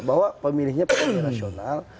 bahwa pemilihnya pemilih rasional